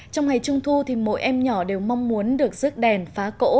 trong ngày trung thu thì mỗi em nhỏ đều mong muốn được rước đèn phá cỗ